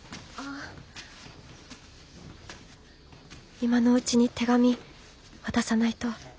今のうちに手紙渡さないと。